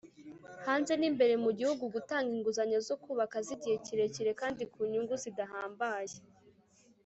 Hanze n imbere mu gihugu gutanga inguzanyo zo kubaka z igihe kirekire kandi ku nyungu zidahambaye